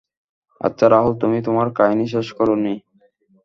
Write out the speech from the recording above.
আচ্ছা রাহুল তুমি তোমার কাহিনী শেষ করো নি?